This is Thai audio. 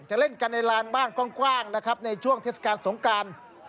เล่นกันในลานบ้านกว้างนะครับในช่วงเทศกาลสงการ